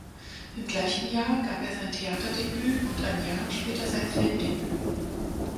Im gleichen Jahr gab er sein Theaterdebüt und ein Jahr später sein Filmdebüt.